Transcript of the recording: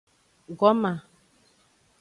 Goma.